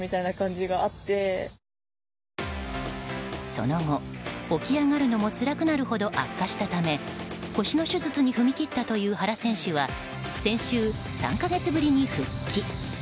その後起き上がるのも辛くなるほど悪化したため腰の手術に踏み切ったという原選手は先週、３か月ぶりに復帰。